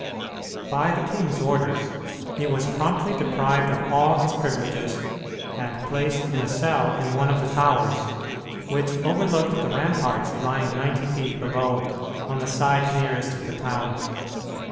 By the king's orders, he was promptly deprived of all his privileges and placed in a cell in one of the towers, which overlooked the ramparts lying ninety feet below, on the side nearest the town.